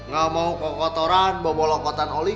gak mau kokotoran bobolokotan oli